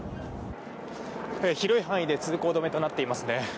広い範囲で通行止めとなっていますね。